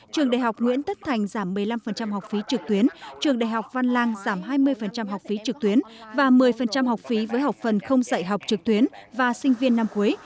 trường đại học nguyễn tất thành giảm một mươi năm học phí trực tuyến trường đại học văn lang giảm hai mươi học phí trực tuyến và một mươi học phí với học phần không dạy học trực tuyến và sinh viên năm cuối